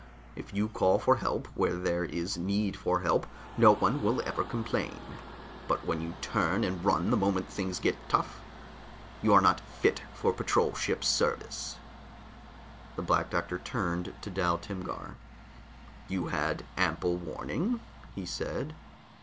If you call for help where there is need for help, no one will ever complain; but when you turn and run the moment things get tough, you are not fit for patrol ship service." The Black Doctor turned to Dal Timgar. "You had ample warning," he said.